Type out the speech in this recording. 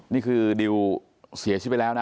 นี่คือดิวเสียชีวิตไปแล้วนะ